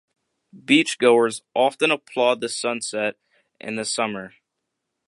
Beachgoers often applaud the sunset in the summer.